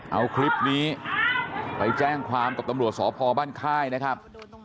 เอาคลิปนี้ไปแจ้งความกับตำรวจสพบ้านค่ายนะครับ